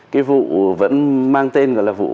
cái vụ vẫn mang tên gọi là vụ